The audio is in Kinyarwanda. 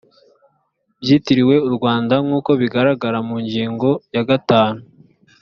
byitiriwe u rwanda nk’uko bigaragara mu ngingo ya gatanu